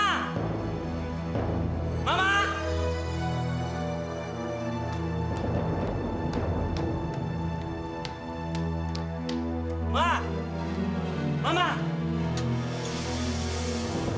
rekian ini udah mau kelar kok